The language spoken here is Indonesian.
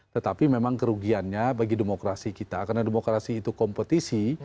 tetapi memang kerugiannya bagi demokrasi kita karena demokrasi itu kompetisi